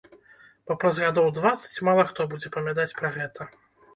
Бо праз гадоў дваццаць мала хто будзе памятаць пра гэта.